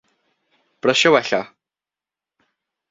Brysia wella.